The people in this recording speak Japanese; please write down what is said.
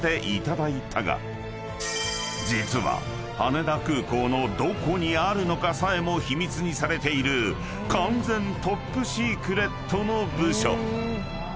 ［実は羽田空港のどこにあるのかさえも秘密にされている完全トップシークレットの部署］